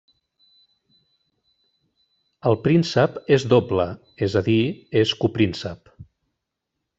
El príncep és doble, és a dir, és copríncep.